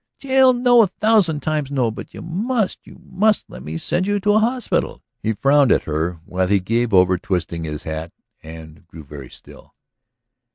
"Jail, no! A thousand times no! But you must, you must let me send you to a hospital!" He frowned at her while he gave over twirling his hat and grew very still.